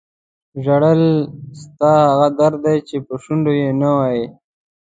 ژړل ستا هغه درد دی چې په شونډو یې نه وایې.